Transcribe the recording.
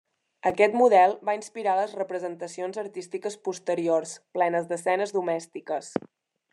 Aquest model va inspirar les representacions artístiques posteriors, plenes d'escenes domèstiques.